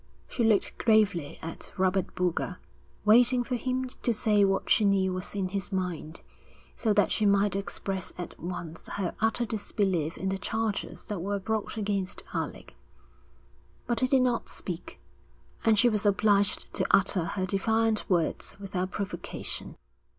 She looked gravely at Robert Boulger, waiting for him to say what she knew was in his mind, so that she might express at once her utter disbelief in the charges that were brought against Alec. But he did not speak, and she was obliged to utter her defiant words without provocation.